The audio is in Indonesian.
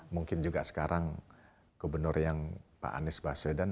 mungkin juga sekarang gubernur yang pak anies baswedan